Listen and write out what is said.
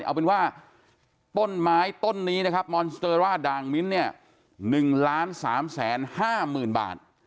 เอาเป็นว่าต้นไม้ต้นนี้นะครับมอนสเตอร่าด่างมิ้นเนี่ย๑๓๕๐๐๐บาท